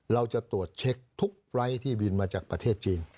เราจะตรวจเช็คทุกไฟล์ทที่บินมาจากประเทศจีน